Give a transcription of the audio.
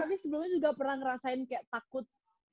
tapi sebelumnya juga pernah ngerasain kayak takut